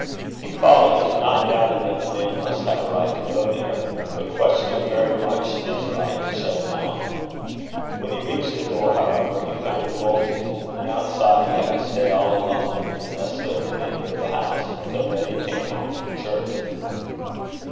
He followed, not doubting that the man must have a right to go there, but questioning very much his right to shut him out. When he reached the door, however, he found it bolted; and outside he had to stay all alone, in the desolate remainder of the house, till Betty came home from church.